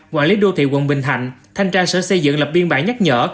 quản lý đô thị quận bình thạnh thanh tra sở xây dựng lập biên bản nhắc nhở